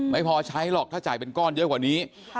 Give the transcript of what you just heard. ไม่พอใช้หรอกถ้าจ่ายเป็นก้อนเยอะกว่านี้